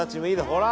ほら！